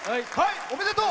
おめでとう！